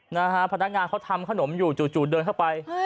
นะฮะพนักงานเขาทำขนมอยู่จู่เดินเข้าไป